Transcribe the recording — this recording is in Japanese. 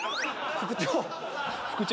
副長！